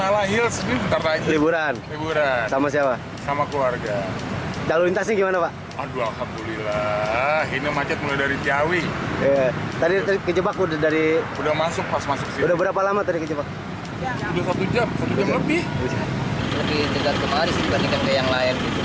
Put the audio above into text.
lebih jauh kemarin dibandingkan yang lain